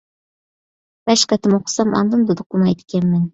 بەش قېتىم ئوقۇسام ئاندىن دۇدۇقلىمايدىكەنمەن .